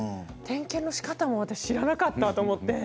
点検のしかたも私、知らなかったと思って。